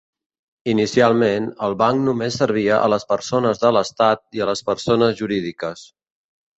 Inicialment, el banc només servia a les persones de l'estat i a les persones jurídiques.